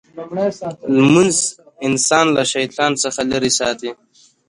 لمونځ انسان له شیطان څخه لرې ساتي.